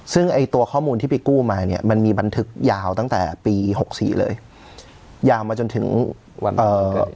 ซึ่งไอ้ตัวข้อมูลที่ไปกู้มาเนี้ยมันมีบันทึกยาวตั้งแต่ปีหกสี่เลยยาวมาจนถึงวันเอ่อ